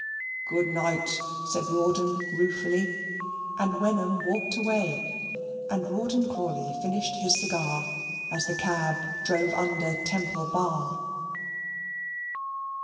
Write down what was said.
"Good night," said Rawdon ruefully. And Wenham walked away and Rawdon Crawley finished his cigar as the cab drove under Temple Bar.